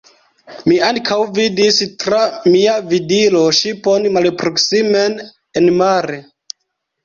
Mi ankaŭ vidis tra mia vidilo ŝipon malproksimen enmare.